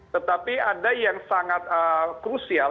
tetapi ada yang sangat krusial